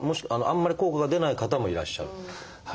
あんまり効果が出ない方もいらっしゃる？